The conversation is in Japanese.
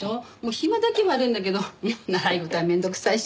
暇だけはあるんだけど習い事は面倒くさいし。